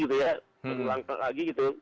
terlalu langsung lagi